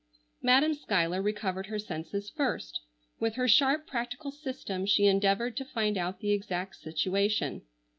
Madam Schuyler recovered her senses first. With her sharp practical system she endeavored to find out the exact situation.